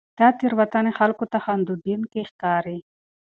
دا تېروتنې خلکو ته خندوونکې ښکاري.